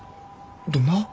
どんな？